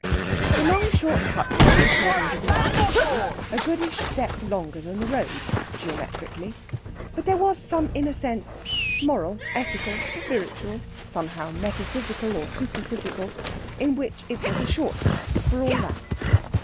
The long short cut was, according to the aborigines, a goodish step longer than the road, geometrically. But there was some inner sense moral, ethical, spiritual somehow metaphysical or supraphysical in which it was a short cut, for all that.